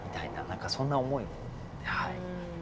何かそんな思いをはい。